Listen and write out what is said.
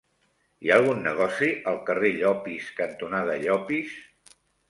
Hi ha algun negoci al carrer Llopis cantonada Llopis?